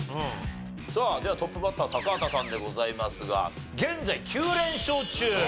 さあではトップバッター高畑さんでございますが現在９連勝中！